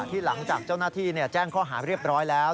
ที่หลังจากเจ้าหน้าที่แจ้งข้อหาเรียบร้อยแล้ว